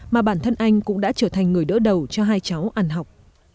mà bản thân anh cũng đã trở thành người đỡ đầu cho hai cháu ăn học